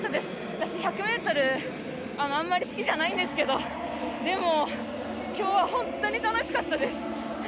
私、１００ｍあんまり好きじゃないんですけどでも、今日は本当に楽しかったです。